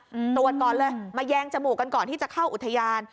ตรวจก่อนเลยมาแยงจมูกกันก่อนที่จะเข้าอุทยาน